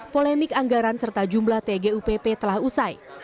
polemik anggaran serta jumlah tgupp telah usai